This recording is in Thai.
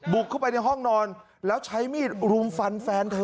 เข้าไปในห้องนอนแล้วใช้มีดรุมฟันแฟนเธอ